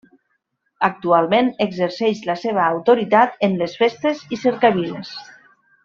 Actualment exerceix la seva autoritat en les festes i cercaviles.